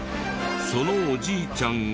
そのおじいちゃんが。